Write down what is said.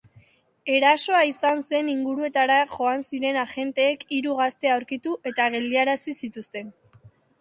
Erasoa izan zen inguruetara joan ziren agenteek hiru gazte aurkitu eta geldiarazi zituzten.